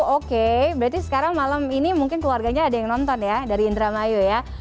oke berarti sekarang malam ini mungkin keluarganya ada yang nonton ya dari indramayu ya